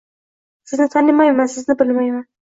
Sizni tanimayman, sizni bilmayman